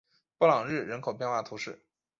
布朗日人口变化图示